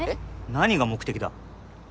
何が目的だ？